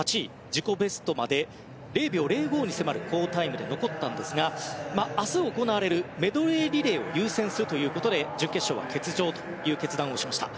自己ベストまで０秒０５に迫る好タイムで残ったんですが明日行われるメドレーリレーを優先するということで準決勝は欠場という決断をしました。